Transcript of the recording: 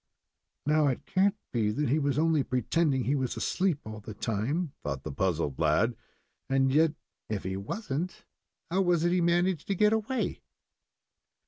"Now it can't be that he was only pretending he was asleep all the time," thought the puzzled lad. "And yet, if he wasn't, how was it he managed to get away?"